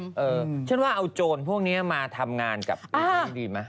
อะเพราะว่าเอาโจภวงศาลนี้มันมาทำงานหมดดีหรือเปล่า